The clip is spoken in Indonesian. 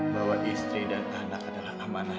bahwa istri dan anak adalah amanah